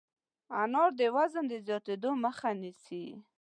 انار د وزن زیاتېدو مخه نیسي.